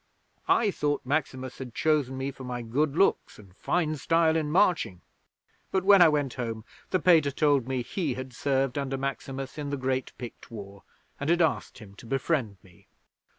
I thought Maximus had chosen me for my good looks and fine style in marching, but, when I went home, the Pater told me he had served under Maximus in the great Pict War, and had asked him to befriend me.'